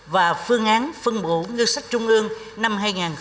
và phương án phân bổ ngân sách trung ương năm hai nghìn một mươi chín